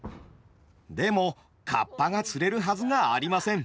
でも河童が釣れるはずがありません。